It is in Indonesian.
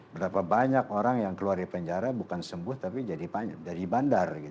berapa banyak orang yang keluar dari penjara bukan sembuh tapi jadi bandar